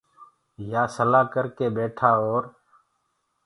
يآ سلآ ڪرَ ڪي ٻيٺآ اورَ